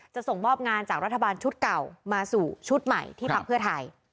ส่งมอบงานจากรัฐบาลชุดเก่ามาสู่ชุดใหม่ที่พักเพื่อไทย